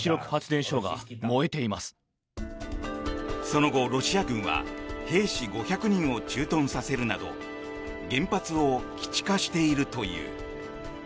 その後、ロシア軍は兵士５００人を駐屯させるなど原発を基地化しているという。